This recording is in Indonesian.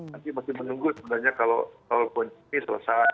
nanti masih menunggu sebenarnya kalau ini selesai